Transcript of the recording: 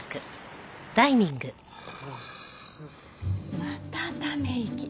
またため息。